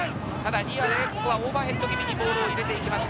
ここはオーバーヘッド気味にボールを入れていきました。